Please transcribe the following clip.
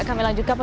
oke tidak ya tidak